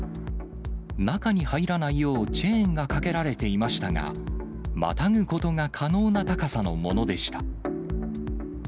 中に入らないよう、チェーンがかけられていましたが、またぐことが可能な高さのものでした。